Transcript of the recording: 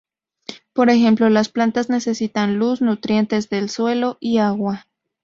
Por ejemplo, las plantas necesitan luz, nutrientes del suelo y agua.